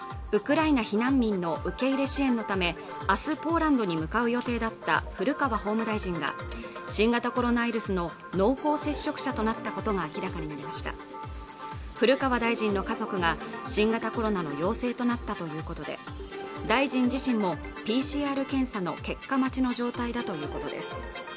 ウクライナ避難民の受け入れ支援のためあすポーランドに向かう予定だった古川法務大臣が新型コロナウイルスの濃厚接触者となったことが明らかになりました古川大臣の家族が新型コロナの陽性となったということで大臣自身もＰＣＲ検査の結果待ちの状態だということです